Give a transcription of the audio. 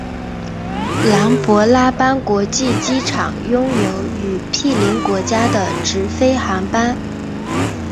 琅勃拉邦国际机场拥有与毗邻国家的直飞航班。